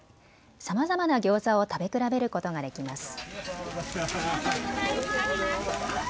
さまざまなギョーザを食べ比べることができます。